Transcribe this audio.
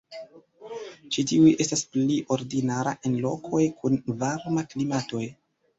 Ĉi tiuj estas pli ordinara en lokoj kun varma klimatoj.